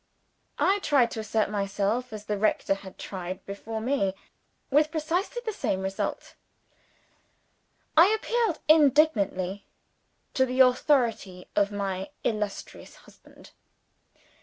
I tried to assert myself as the rector had tried before me with precisely the same result. I appealed indignantly to the authority of my illustrious husband.